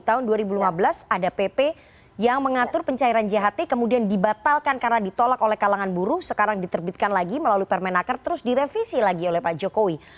tahun dua ribu lima belas ada pp yang mengatur pencairan jht kemudian dibatalkan karena ditolak oleh kalangan buruh sekarang diterbitkan lagi melalui permenaker terus direvisi lagi oleh pak jokowi